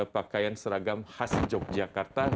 pakaian seragam khas jogjakarta